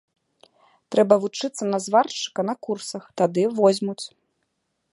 Трэба вучыцца на зваршчыка на курсах, тады возьмуць.